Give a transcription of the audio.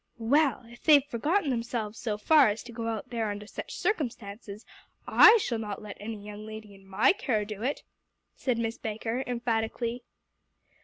"Well, if they've forgotten themselves so far as to go out there under such circumstances, I shall not let any young lady in my care do it," said Miss Baker emphatically.